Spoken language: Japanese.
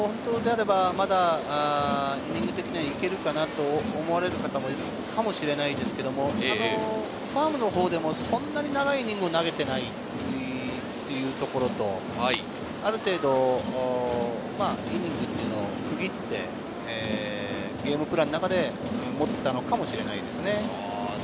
本当であればイニング的には行けるかなと思われる方もいるかもしれないですけれど、ファームのほうでもそんなに長いイニングを投げていないというところと、ある程度イニングっていうのを区切って、ゲームプランの中で持っていたのかもしれないですね。